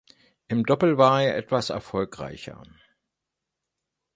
Im Doppel war er etwas erfolgreicher.